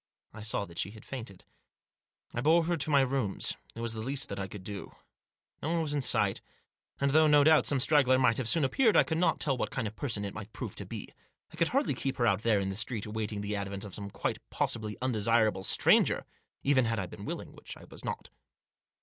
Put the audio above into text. I saw that she had fainted. I bore her to my rooms. It was the least that I could do. No one was in sight. And though, no doubt, some straggler might have soon appeared, I could not tell what kind of person it might prove to be. I could hardly keep her out there in the street awaiting the advent of some quite possibly undesirable stranger, even had I been willing, which I was not.